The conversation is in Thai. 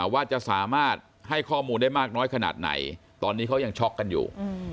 ว่าจะสามารถให้ข้อมูลได้มากน้อยขนาดไหนตอนนี้เขายังช็อกกันอยู่